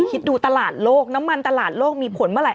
คิดดูตลาดโลกน้ำมันตลาดโลกมีผลเมื่อไห